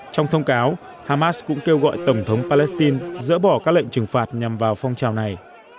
trong thông cáo hamas cũng kêu gọi tổng thống palestine dỡ bỏ các lệnh trừng phạt nhằm vào phong trào này